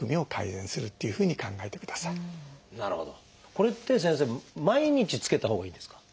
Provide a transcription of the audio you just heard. これって先生毎日着けたほうがいいですか？